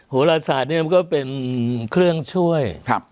โหลศาสตร์เนี่ยมันก็เป็นเครื่องช่วย